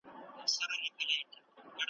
یا وینه ژاړي یا مینه .